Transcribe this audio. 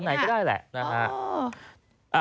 ตอนไหนก็ได้แหละ